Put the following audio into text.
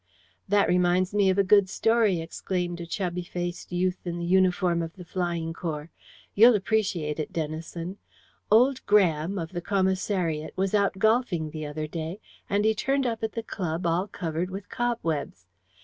"That reminds me of a good story," exclaimed a chubby faced youth in the uniform of the Flying Corps. "You'll appreciate it, Denison. Old Graham, of the Commissariat, was out golfing the other day, and he turned up at the club all covered with cobwebs.